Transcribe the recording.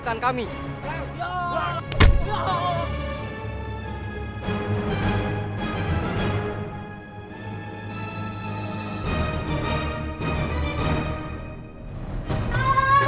jangan lupa offended